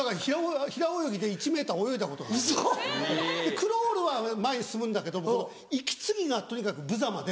クロールは前に進むんだけど息継ぎがとにかくぶざまで。